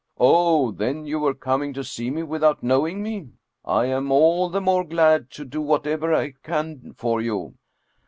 " Oh, then, you were coming to see me without knowing me? I am all the more glad to do whatever I can for you."